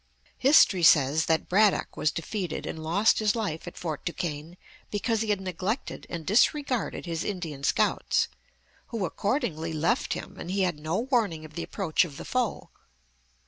History says that Braddock was defeated and lost his life at Fort Duquesne because he had neglected and disregarded his Indian scouts, who accordingly left him, and he had no warning of the approach of the foe.